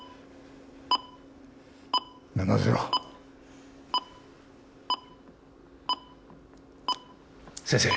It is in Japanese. ７−０先生